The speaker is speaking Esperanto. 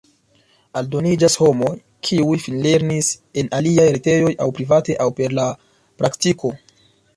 Aldoniĝas homoj, kiuj finlernis en aliaj retejoj aŭ private aŭ per la praktiko.